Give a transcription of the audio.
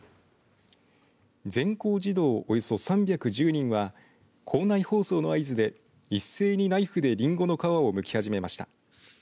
全校児童およそ３１０人は校内放送の合図でいっせいにナイフでりんごの皮をむき始めました。